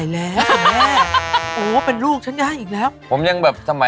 แล้วอ่อนเหรออายุเท่าไรอะ